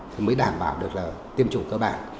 thì mới đảm bảo được tiêm chủng cơ bản